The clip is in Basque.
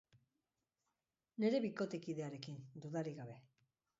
Nere bikotekidearekin, dudarik gabe!